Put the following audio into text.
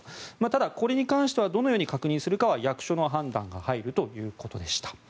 ただ、これに関してはどのように確認するかは役所の判断が入るということでした。